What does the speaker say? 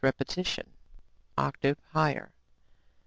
repetition oct. higher.